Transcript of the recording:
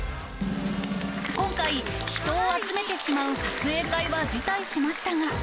今回、人を集めてしまう撮影会は辞退しましたが。